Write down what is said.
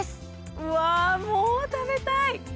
うわもう食べたい！